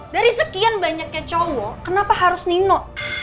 dari sekian banyaknya cowok kenapa harus nino